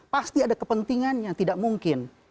pasti ada kepentingannya tidak mungkin